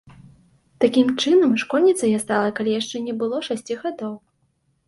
Такім чынам, школьніцай я стала, калі яшчэ не было шасці гадоў.